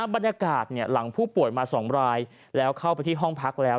บรรยากาศหลังผู้ป่วยมา๒รายแล้วเข้าไปที่ห้องพักแล้ว